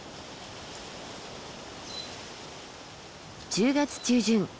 １０月中旬